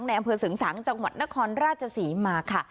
แหน่มเผลอสึงสานจังหวัดนครราชสีมาค่ะ